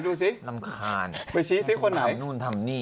ไปชี้ที่คนไหนไปชี้ที่คนไหนเอานู้นทำนี่